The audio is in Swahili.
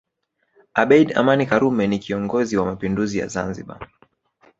Abeid Amani Karume ni kiongozi wa Mapinduzi ya Zanzibar